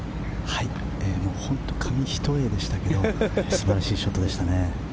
本当に紙一重でしたけど素晴らしいショットでしたね。